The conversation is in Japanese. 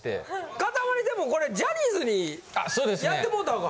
かたまりでもこれジャニーズにやってもうた方が。